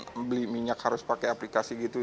membeli minyak harus pakai aplikasi gitu